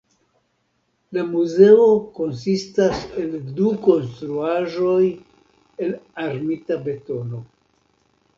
La muzeo konsistas el du konstruaĵoj el armita betono.